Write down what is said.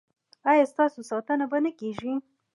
ایا ستاسو ساتنه به نه کیږي؟